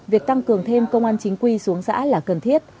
việc tăng cường thêm công an chính quy xuống xã là cần thiết